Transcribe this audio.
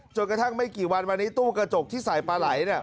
จนกระทั่งไม่กี่วันมานี้ตู้กระจกที่ใส่ปลาไหล